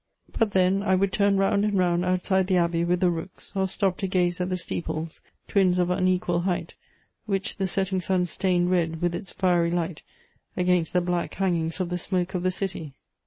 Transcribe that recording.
But then I would turn round and round outside the abbey with the rooks, or stop to gaze at the steeples, twins of unequal height, which the setting sun stained red with its fiery light against the black hangings of the smoke of the City.